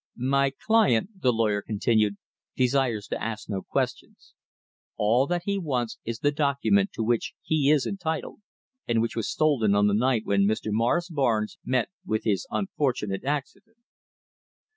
"My client," the lawyer continued, "desires to ask no questions. All that he wants is the document to which he is entitled, and which was stolen on the night when Mr. Morris Barnes met with his unfortunate accident."